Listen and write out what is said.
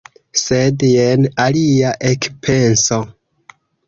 Sed jen alia ekpenso: